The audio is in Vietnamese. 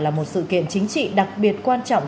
là một sự kiện chính trị đặc biệt quan trọng